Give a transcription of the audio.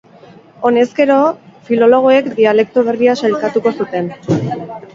Honezkero, filologoek dialekto berria sailkatuko zuten.